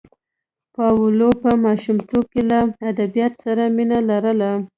پاولو په ماشومتوب کې له ادبیاتو سره مینه لرله.